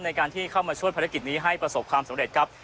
ในการที่เข้ามาช่วยภารกิจนี้ให้ประสบความสำเร็จครับ